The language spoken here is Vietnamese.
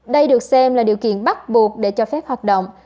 đây được xem là điều kiện bắt buộc để cho phép hoạt động